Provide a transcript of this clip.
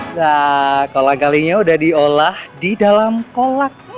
nah kolang kalingnya sudah diolah di dalam kolak